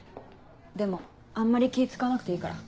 でもあんまり気使わなくていいから。